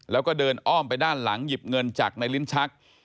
แล้วก็เดินอ้อมไปด้านหลังหยิบเงินจากในลิ้นชัก